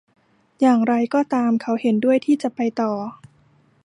อย่างไรก็ตาม เขาเห็นด้วยที่จะไปต่อ